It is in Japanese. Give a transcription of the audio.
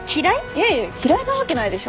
いやいや嫌いなわけないでしょ。